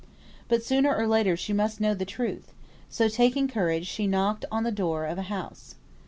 But sooner or later she must know the truth; so taking courage she knocked at the door of a house.